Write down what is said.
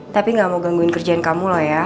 tapi gak mau gangguin kerjaan kamu loh ya